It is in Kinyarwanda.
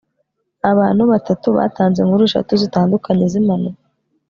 abantu batatu batanze inkuru eshatu zitandukanye zimpanuka